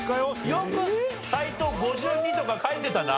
よく斎藤５２とか書いてたな。